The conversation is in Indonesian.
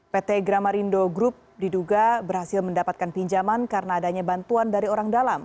pt gramarindo group diduga berhasil mendapatkan pinjaman karena adanya bantuan dari orang dalam